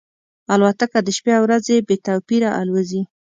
الوتکه د شپې او ورځې بې توپیره الوزي.